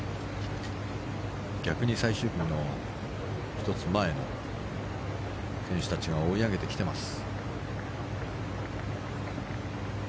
逆に最終組も１つ前の選手たちが追い上げてきています。